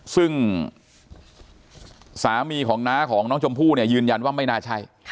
ซึ่งสามีของน้าของน้องชมพู่เนี่ยยืนยันว่าไม่น่าใช่